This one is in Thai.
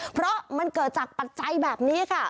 เพราะมันเกิดจากปัจจัยแบบนี้ค่ะ